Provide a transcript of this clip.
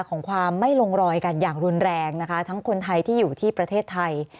ของความไม่ลงรอยกันอย่างรุนแรงนะคะทั้งคนไทยที่อยู่ที่ประเทศไทย